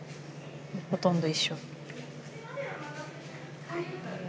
ほとんど一緒。